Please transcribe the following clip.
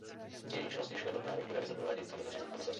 Její činnost již vedla k návrhu revize prováděcího nařízení Komise.